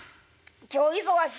今日忙しい。